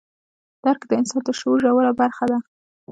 درک د انسان د شعور ژوره برخه ده.